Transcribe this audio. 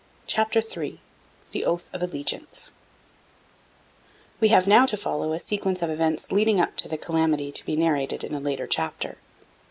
CHAPTER III THE OATH OF ALLEGIANCE We have now to follow a sequence of events leading up to the calamity to be narrated in a later chapter.